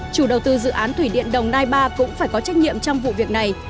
chủ đầu tư dự án thủy điện đồng nai ba cũng phải có trách nhiệm trong vụ việc này